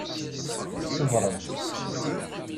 Ṣebṛemt!